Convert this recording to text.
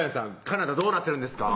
カナダどうなってるんですか？